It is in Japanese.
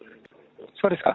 そうですか。